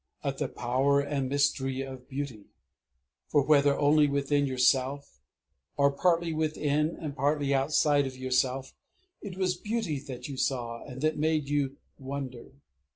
At the power and mystery of beauty. (For whether only within yourself, or partly within and partly outside of yourself, it was beauty that you saw, and that made you wonder.)